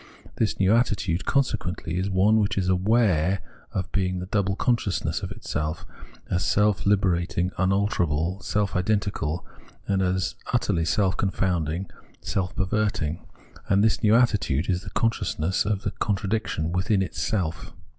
This new att' , :le conse quently is one which is aware of being the double consciousness of itself as self hberating, unalterable, self identical, and as utterly self confounding, self 200 Phenomenology of Mind perverting ; and this new attitude is the consciousness of this contradiction within itself.